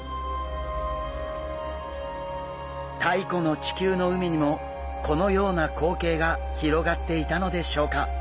太古の地球の海にもこのような光景が広がっていたのでしょうか。